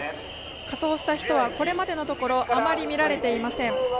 仮装した人はこれまでのところあまり見られていません。